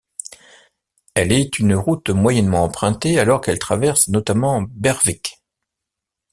Elle est une route moyennement empruntée alors qu'elle traverse notamment Berwick.